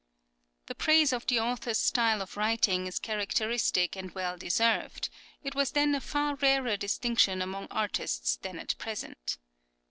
The praise of the author's style of writing is characteristic and well deserved; it was then a far rarer distinction among artists than at present.